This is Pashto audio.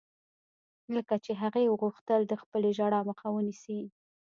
لکه چې هغې غوښتل د خپلې ژړا مخه ونيسي.